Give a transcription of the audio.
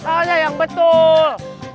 soalnya yang betul